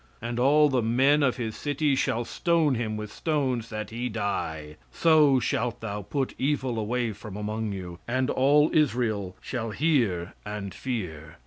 "And all the men of his city shall stone him with stones, that he die; so shalt thou put evil away from among you; and all Israel shall hear and fear."